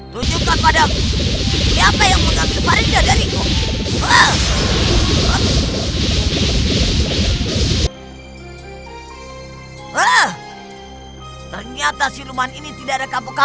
tidak ada yang bisa menangkapku